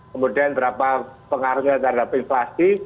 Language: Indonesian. kemudian berapa pengaruhnya terdapat